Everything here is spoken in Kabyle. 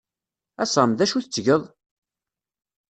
A Sam, d acu tettgeḍ?